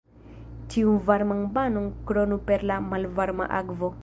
Ĉiun varman banon kronu per la malvarma akvo.